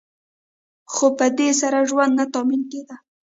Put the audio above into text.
خو په دې سره ژوند نه تأمین کیده.